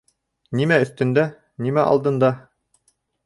Нимә өҫтөндә? Нимә алдында?